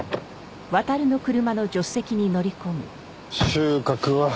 収穫は？